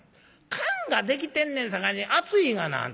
燗ができてんねんさかいに熱いがなあんた。